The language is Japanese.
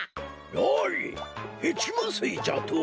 ヘチマすいじゃと？